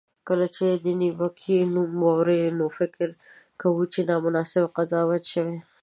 کله چې د نیوکې نوم واورو، فکر کوو چې نامناسبه قضاوت شوی.